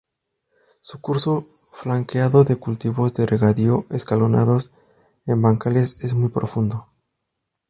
Su curso, flanqueado de cultivos de regadío escalonados en bancales, es muy profundo.